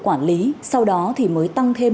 quản lý sau đó thì mới tăng thêm